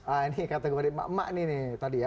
ah ini kategori emak emak nih tadi ya